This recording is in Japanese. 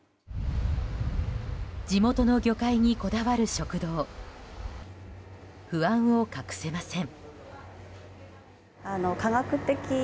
地元の魚介にこだわる食堂不安を隠せません。